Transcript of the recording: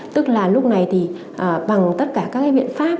tức là lúc này thì bằng tất cả các cái biện pháp